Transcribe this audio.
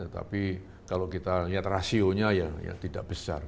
tapi kalau kita lihat rasionya ya tidak besar